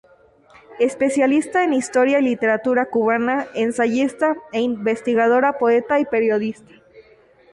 Especialista en historia y literatura cubana, ensayista e investigadora, poeta y periodista.